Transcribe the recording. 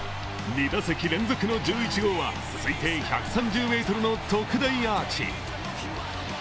２打席連続の１１号は推定１３０ｍの特大アーチ。